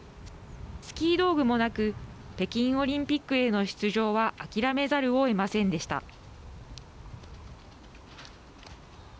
スキー道具もなく北京オリンピックへの出場は諦めざるをえませんでした。